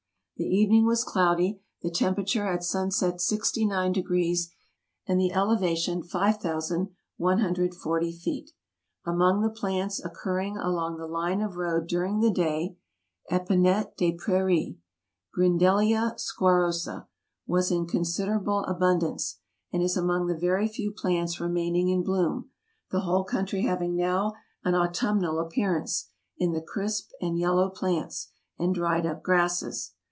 The evening was cloudy, the tem perature at sunset 690, and the elevation 5 140 feet. Among the plants occurring along the line of road during the day c'pinettes des prairies (Griiidclia sqitarrosd) was in consider able abundance, and is among the very few plants remain ing in bloom — the whole country having now an autumnal appearance, in the crisped and yellow plants, and dried up grasses.